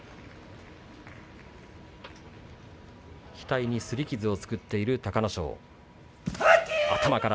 額にすり傷を作っている隆の勝です。